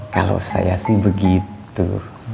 kalau saya sih begitu